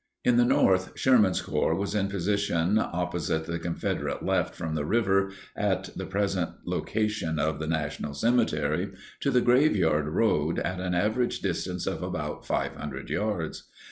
In the north, Sherman's Corps was in position opposite the Confederate left from the river (at the present location of the national cemetery) to the Graveyard Road, at an average distance of about 500 yards.